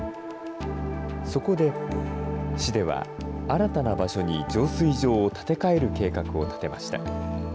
そこで、市では新たな場所に浄水場を建て替える計画を立てました。